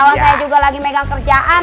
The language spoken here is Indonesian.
lo jadi embal embal brian